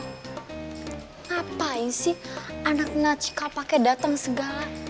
ngapain sih anak anak cikal pake dateng segala